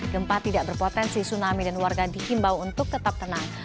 gempa tidak berpotensi tsunami dan warga dihimbau untuk tetap tenang